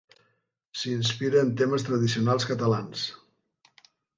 S'inspira en temes tradicionals catalans.